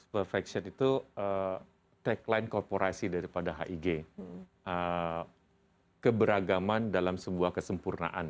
perfection itu tagline korporasi daripada hig keberagaman dalam sebuah kesempurnaan